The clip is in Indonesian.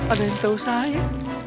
ada yang tahu saya